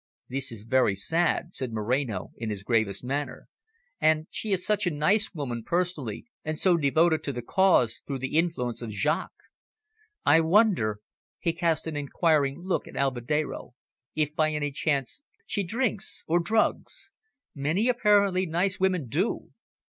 "This is very sad," said Moreno, in his gravest manner. "And she is such a nice woman personally, and so devoted to the Cause, through the influence of Jaques. I wonder," he cast an inquiring look at Alvedero "if, by any chance, she drinks or drugs. Many apparently nice women do!"